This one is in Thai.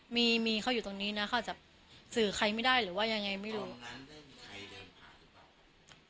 มีมีเขาอยู่ตรงนี้นะเขาอาจจะสื่อใครไม่ได้หรือว่ายังไงไม่รู้ใครเดินผ่านหรือเปล่า